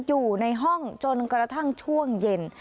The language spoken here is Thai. อยู่ในห้องจนกระทั่งช่วงเย็น